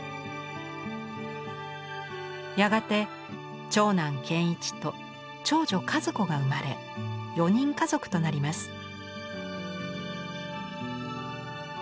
やがて長男・賢一と長女・和子が生まれ４人家族となります。